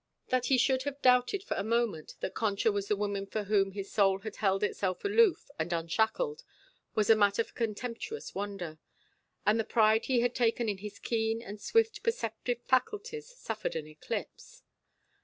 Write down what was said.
That he should have doubted for a moment that Concha was the woman for whom his soul had held itself aloof and unshackled was a matter for contemptuous wonder, and the pride he had taken in his keen and swift perceptive faculties suffered an eclipse.